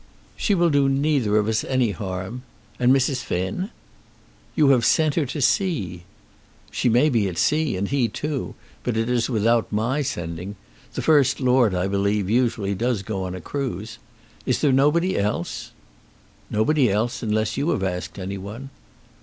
"She will do neither of us any harm. And Mrs. Finn?" "You have sent her to sea." "She may be at sea, and he too; but it is without my sending. The First Lord, I believe, usually does go a cruise. Is there nobody else?" "Nobody else, unless you have asked any one."